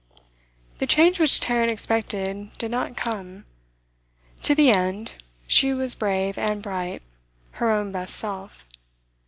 The change which Tarrant expected did not come. To the end, she was brave and bright, her own best self.